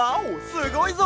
すごいぞ！